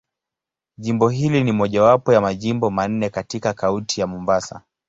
Jimbo hili ni mojawapo ya Majimbo manne katika Kaunti ya Mombasa.